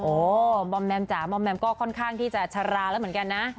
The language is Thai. โอ้โหมอมแมมจ๋ามอมแมมก็ค่อนข้างที่จะชะลาแล้วเหมือนกันนะ